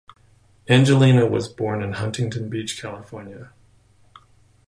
Angelina was born in Huntington Beach, California.